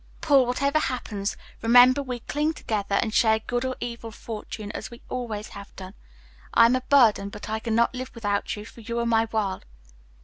"Paul, whatever happens, remember we cling together and share good or evil fortune as we always have done. I am a burden, but I cannot live without you, for you are my world.